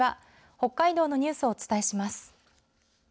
北海道のニュースをお伝えします。